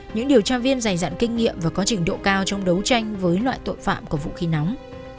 những điều tra viên dày dặn các đối tượng